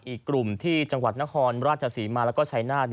อีกกลุ่มที่จังหวัดนครราชศรีมาแล้วก็ชายนาฏ